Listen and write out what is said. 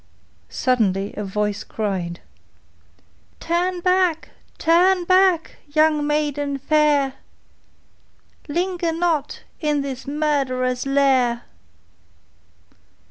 Suddenly a voice cried: 'Turn back, turn back, young maiden fair, Linger not in this murderers' lair.